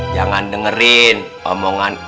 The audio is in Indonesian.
jangan dengerin omongan